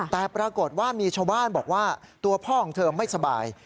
แต่ปรากฏว่ามีชาวบ้านบอกว่าตัวพ่อของเธอไม่สบาย